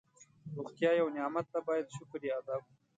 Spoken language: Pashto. روغتیا یو نعمت ده باید شکر یې ادا کړو.